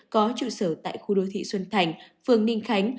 có trụ sở tại khu đô thị xuân thành phường ninh khánh